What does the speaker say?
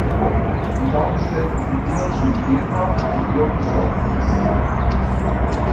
Die dargestellten Figuren sind lebhaft und wirken sorglos.